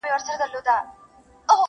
هر یو غشی چي وارېږي زموږ له کوره دی,